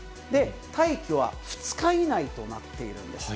退去は２日以内となっているんです。